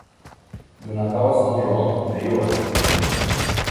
Do Natal a São João, meio ano.